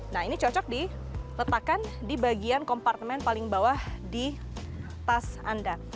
nah ini cocok diletakkan di bagian kompartemen paling bawah di tas anda